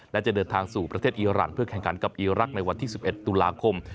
และจะเดินทางสู่ประเทศอีรันเพื่อแข่งขันกับอีรักษ์ในวันที่๑๑ตุลาคม